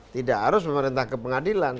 tidak harus memerintah ke pengadilan